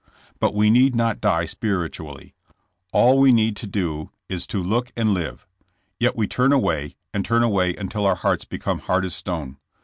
But we need not die spiritually. All we need do is to look and live. Yet we turn away, and turn away until our hearts become hard as stone.